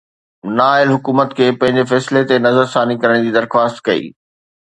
نااهل حڪومت کي پنهنجي فيصلي تي نظرثاني ڪرڻ جي درخواست ڪئي